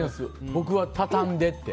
僕は畳んでって。